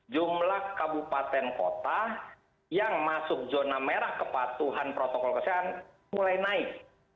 jumlah kabupaten kota yang masuk zona merah kepatuhan protokol kesehatan mulai naik